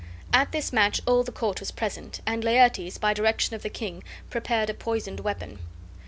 At this match all the court was present, and Laertes, by direction of the king, prepared a poisoned weapon.